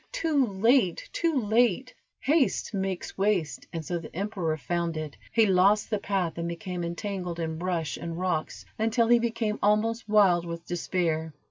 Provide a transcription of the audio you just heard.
Too late! too late!" "Haste makes waste," and so the emperor found it. He lost the path and became entangled in brush and rocks, until he became almost wild with despair.